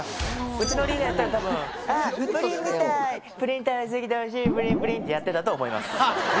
うちのリーダーたぶん、プリンみたーい、プリン食べ過ぎてお尻プリンプリンってやってたと思います。